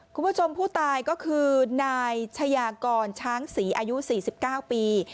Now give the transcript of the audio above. คุณผู้ชมผู้ตายก็คือนายชายากรช้างศรีอายุ๔๙ปี